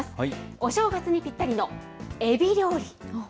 お正月にぴったりのエビ料理。